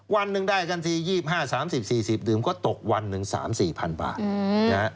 วันนึงได้กันทียี่บห้าสามสิบสี่สิบดื่มก็ตกวันหนึ่งสามสี่พันบาทอืม